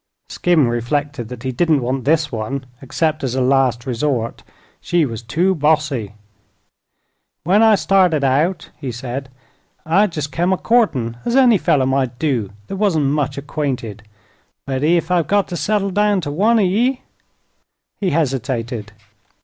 Skim reflected that he didn't want this one, except as a last resort. She was "too bossy." "When I started out," he said, "I jest come a courtin', as any feller might do thet wasn't much acquainted. But ef I've got to settle down to one o' ye " He hesitated.